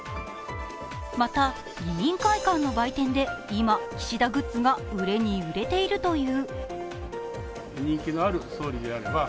また、議員会館の売店で今、岸田グッズが売れに売れているという。